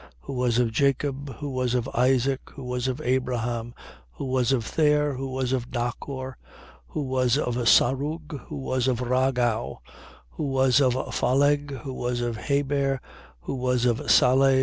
Who was of Jacob, who was of Isaac, who was of Abraham, who was of Thare, who was of Nachor, 3:35. Who was of Sarug, who was of Ragau, who was of Phaleg, who was of Heber, who was of Sale, 3:36.